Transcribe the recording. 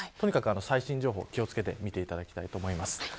とにかく最新情報に気を付けてみていただきたいと思います。